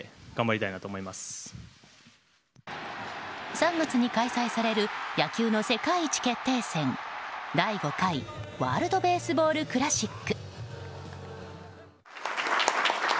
３月に開催される野球の世界一決定戦第５回ワールド・ベースボール・クラシック。